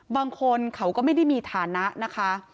บางคนเขาก็ไม่ได้มีฐานะนะคะ